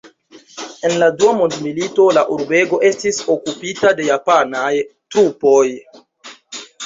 En la dua mondmilito la urbego estis okupita de japanaj trupoj.